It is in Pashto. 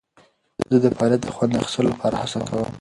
زه د فعالیت د خوند اخیستلو لپاره هڅه کوم.